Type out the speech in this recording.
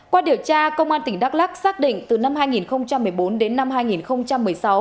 qua điều tra công an tỉnh đắk lắc xác định từ năm hai nghìn một mươi bốn đến năm hai nghìn một mươi sáu